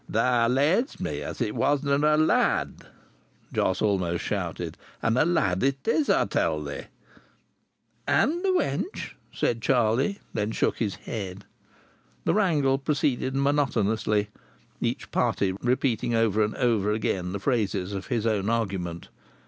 "Thou laidst me as it wasna' a lad," Jos almost shouted. "And a lad it is, I tell thee." "And a wench!" said Charlie; then shook his head. The wrangle proceeded monotonously, each party repeating over and over again the phrases of his own argument.